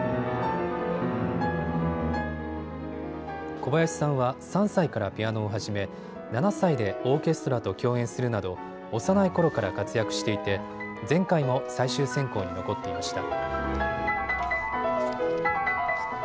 小林さんは３歳からピアノを始め、７歳でオーケストラと共演するなど幼いころから活躍していて前回も最終選考に残っていました。